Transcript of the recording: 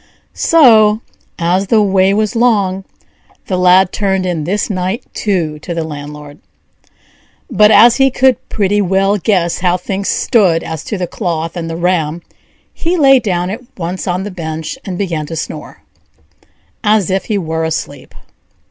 '" So, as the way was long, the Lad turned in this night too to the landlord; but as he could pretty well guess how things stood as to the cloth and the ram, he lay down at once on the bench and began to snore, as if he were asleep.